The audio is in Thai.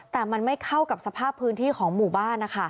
แต่มันไม่เข้ากับสภาพพื้นที่ของหมู่บ้านนะคะ